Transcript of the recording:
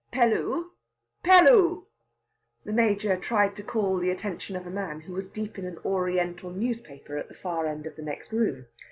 Pelloo!... Pelloo!..." The Major tried to call the attention of a man who was deep in an Oriental newspaper at the far end of the next room.